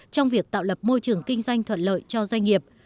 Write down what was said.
trong việc tạo lập môi trường kinh doanh thuận lợi cho doanh nghiệp